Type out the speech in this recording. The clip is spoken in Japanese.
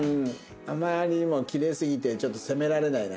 あまりにもキレイすぎてちょっと攻められないな。